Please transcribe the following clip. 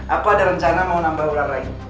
apa ada rencana mau nambah ular lagi